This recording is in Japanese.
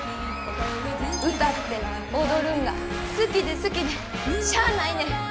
歌って踊るんが好きで好きでしゃあないねん。